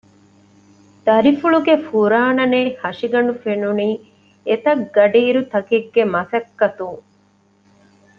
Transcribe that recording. ދަރިފުޅުގެ ފުރާނަނެތް ހަށިގަނޑު ފެނުނީ އެތަށް ގަޑިއިރުތަކެއްގެ މަސައްކަތުން